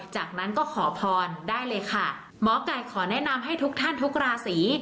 จากนั้นก็ขอพรได้เลยค่ะหมอไก่ขอแนะนำให้ทุกท่านทุกราศี